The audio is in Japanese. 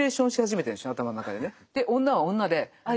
で女は女であ